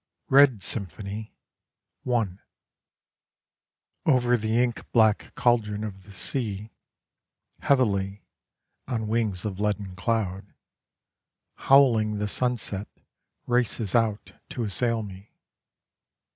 RED SYMPHONY I Over the ink black cauldron of the sea, Heavily, on wings of leaden cloud, Howling the sunset Races out to assail me.